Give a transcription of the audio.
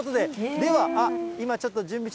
では、今ちょっと準備中。